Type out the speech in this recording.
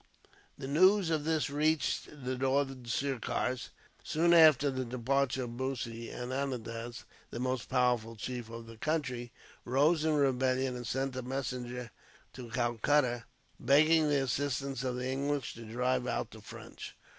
The news of this reached the Northern Sirkars, soon after the departure of Bussy; and Anandraz, the most powerful chief of the country, rose in rebellion, and sent a messenger to Calcutta, begging the assistance of the English to drive out the French.